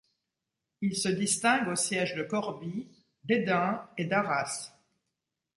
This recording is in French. Il se distingue aux sièges de Corbie, d'Hesdin et d'Arras.